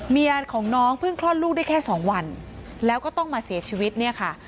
เมียของน้องเพิ่งคลอดลูกได้แค่สองวันแล้วก็ต้องมาเสียชีวิตเนี่ยค่ะ